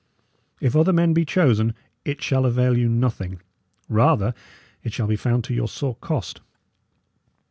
If other men be chosen, it shall avail you nothing; rather it shall be found to your sore cost.